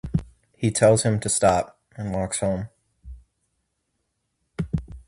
He tells him to stop, and walks home.